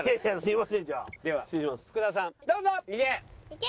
いけ！